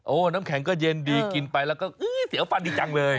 น้ำแข็งก็เย็นดีกินไปแล้วก็เสียวฟันดีจังเลย